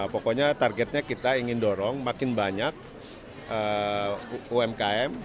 pokoknya targetnya kita ingin dorong makin banyak umkm